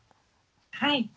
はい。